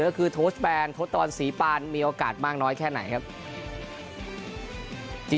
ถามถือก็คือโทรชแบรนด์โทษตอนศรีปานมีโอกาสมากน้อยแค่ไหนครับ